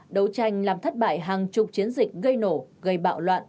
đấu tranh làm thất bại hàng chục chiến dịch gây nổ gây bạo loạn